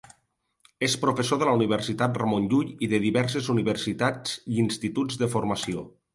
És professor de la Universitat Ramon Llull i de diverses universitats i instituts de formació.